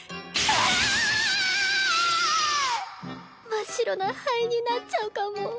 真っ白な灰になっちゃうかも。